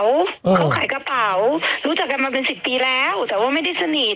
เขาขายกระเป๋ารู้จักกันมาเป็นสิบปีแล้วแต่ว่าไม่ได้สนิท